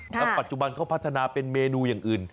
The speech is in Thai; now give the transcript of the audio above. แล้วปัจจุบันเขาพัฒนาเป็นเมนูอย่างอื่น